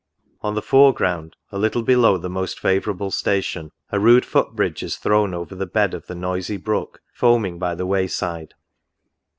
On the fore ground, a little below the most favourable station, a rude foot bridge is thrown over the bed of the noisy brook, foaming by the way side.